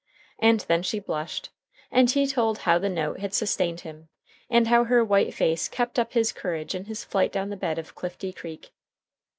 And then she blushed, and he told how the note had sustained him, and how her white face kept up his courage in his flight down the bed of Clifty Creek.